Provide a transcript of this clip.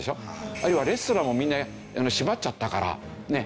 あるいはレストランもみんな閉まっちゃったからねっ。